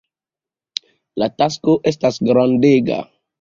La tasko estas grandega.